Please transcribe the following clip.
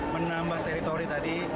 menambah teritori tadi